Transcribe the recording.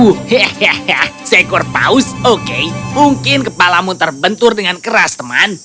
hehehe seekor paus oke mungkin kepalamu terbentur dengan keras teman